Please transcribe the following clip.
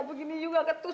ketgobus orangnya lah dong